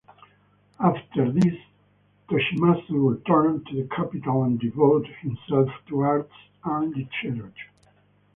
After this, Toshimasu returned to the capital and devoted himself to arts and literature.